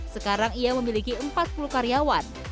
sekarang ia memiliki empat puluh karyawan